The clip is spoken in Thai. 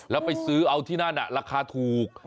แล้วไปซื้อเอาที่นั่นราคาถูก